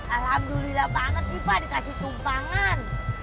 alhamdulillah banget sih pa dikasih tumpangan